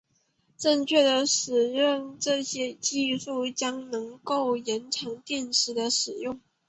正确的使用这些技术将能够延长电池使用时间。